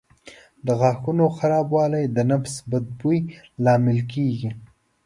د غاښونو خرابوالی د نفس بد بوی لامل کېږي.